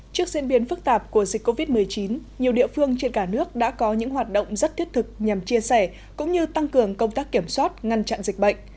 trước diễn biến phức tạp của dịch covid một mươi chín nhiều địa phương trên cả nước đã có những hoạt động rất thiết thực nhằm chia sẻ cũng như tăng cường công tác kiểm soát ngăn chặn dịch bệnh